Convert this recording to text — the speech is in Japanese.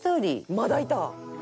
まだいた！